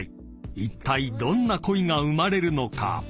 ［いったいどんな恋が生まれるのか？］